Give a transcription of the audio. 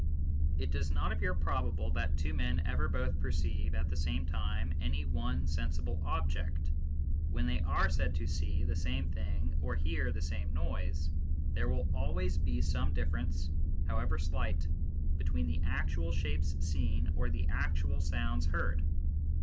It does not appear probable that two men ever both perceive at the same time any one sensible object ; when they are said to see the same thing or hear the same noise, there will always be some difference, however slight, between the actual shapes seen or the actual sounds heard.